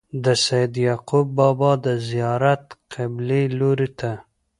د سيد يعقوب بابا د زيارت قبلې لوري ته